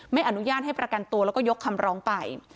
ไม่อนุญาตให้ประกันตัวแล้วก็ยกคำร้องไป